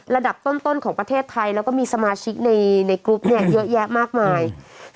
ระดับต้นของประเทศไทยแล้วก็มีสมาชิกในกรุ๊ปเนี่ยเยอะแยะมากมาย